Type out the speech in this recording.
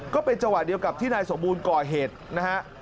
ก็เป็นจังหวะเดียวกับที่นายสมบูรณ์ก่อเหตุนะฮะ